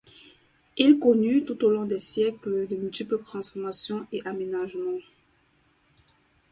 Il connut tout au long des siècles de multiples transformations et aménagements.